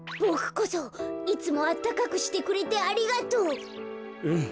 ボクこそいつもあったかくしてくれてありがとう。